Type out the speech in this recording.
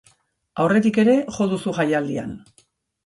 Aurretik ere jo duzu jaialdian.